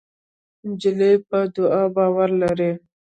نجلۍ په دعا باور لري.